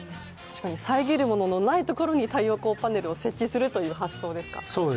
遮るもののないところに太陽光パネルを設置するという発想ですか。